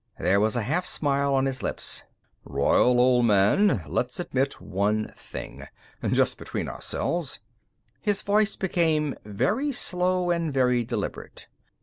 There was a half smile on his lips "Royall, old man, let's admit one thing, just between ourselves," His voice became very slow and very deliberate.